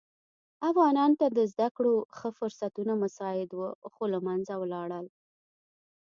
افغانانو ته د زده کړو ښه فرصتونه مساعد وه خو له منځه ولاړل.